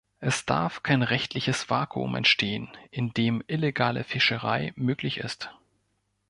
Es darf kein rechtliches Vakuum entstehen, in dem illegale Fischerei möglich ist.